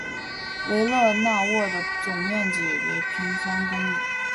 维勒讷沃的总面积为平方公里。